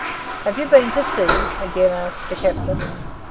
'Have you been to sea?' again asked the captain.